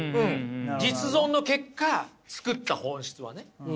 実存の結果作った本質はね。